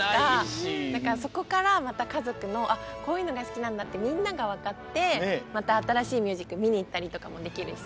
だからそこからまたかぞくの「あっこういうのがすきなんだ」ってみんながわかってまたあたらしいミュージカルみにいったりとかもできるし。